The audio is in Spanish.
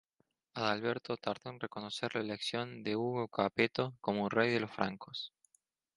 Adalberto tardó en reconocer la elección de Hugo Capeto como Rey de los Francos.